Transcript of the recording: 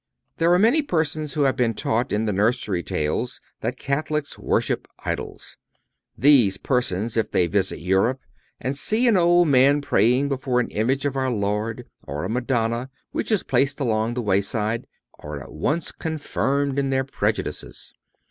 There are many persons who have been taught in the nursery tales, that Catholics worship idols. These persons, if they visit Europe and see an old man praying before an image of our Lord or a Madonna which is placed along the wayside, are at once confirmed in their prejudices.